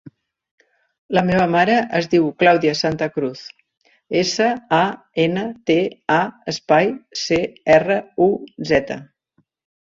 La meva mare es diu Clàudia Santa Cruz: essa, a, ena, te, a, espai, ce, erra, u, zeta.